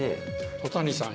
戸谷さん